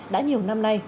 đã nhiều năm nay